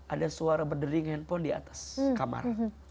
ada suara berdering handphone di atas kamar